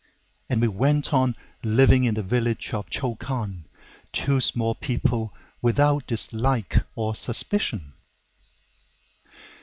And we went on living in the village of Chokan:Two small people, without dislike or suspicion.